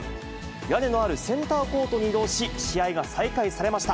屋根のあるセンターコートに移動し、試合が再開されました。